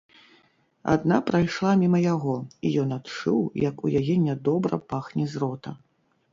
Адна прайшла міма яго, і ён адчуў, як у яе нядобра пахне з рота.